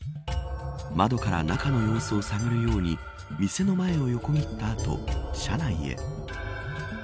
窓から中の様子を探るように店の前を横切った後、車内へ。